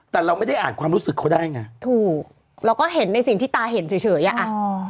แต่เราไม่ได้อ่านความรู้สึกเขาได้ไงถูกเราก็เห็นในสิ่งที่ตาเห็นเฉยเฉยอ่ะอ่ะอ๋อ